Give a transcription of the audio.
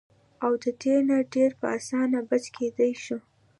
او د دې نه ډېر پۀ اسانه بچ کېدے شو -